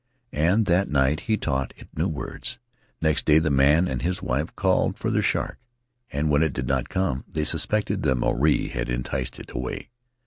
And that night he taught it new words. Next day the man and his wife called to their shark; and when it did not come they suspected that Maruae had enticed it away.